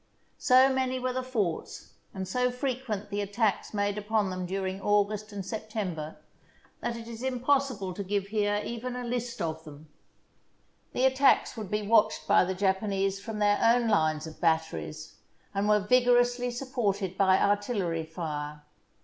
So many were the forts, and so fre quent the attacks made upon them during August [291 ] THE BOOK OF FAMOUS SIEGES and September, that it is impossible to give here even a list of them. The attacks would be watched by the Japanese from their own lines of batteries, and were vigor ously supported by artillery fire.